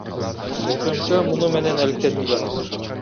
УКМК муну менен алектенүүдө.